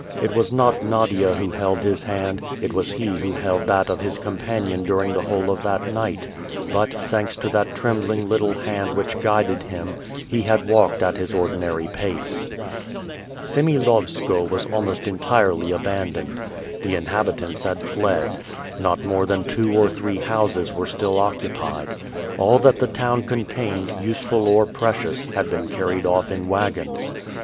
It was not Nadia who held his hand, it was he who held that of his companion during the whole of that night; but, thanks to that trembling little hand which guided him, he had walked at his ordinary pace. Semilowskoe was almost entirely abandoned. The inhabitants had fled. Not more than two or three houses were still occupied. All that the town contained, useful or precious, had been carried off in wagons.